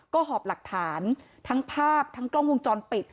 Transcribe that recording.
ก็หอบหลักฐานทั้งภาพทั้งกล้องวงจรปิด